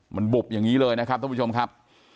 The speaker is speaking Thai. มันบุบอย่างนี้เลยนะครับท่านผู้ชมครับ